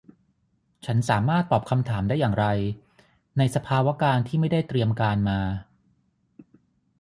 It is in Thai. ฉันสามารถตอบคำถามได้อย่างไรในสภาวการณ์ที่ไม่ได้เตรียมการมา